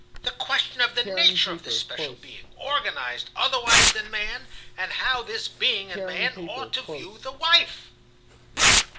"The question of the nature of this special being, organized otherwise than man, and how this being and man ought to view the wife.